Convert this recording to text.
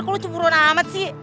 kok lu cemburuin amat sih